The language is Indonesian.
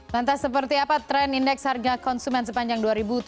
lantas seperti apa tren indeks harga konsumen sepanjang dua ribu tujuh belas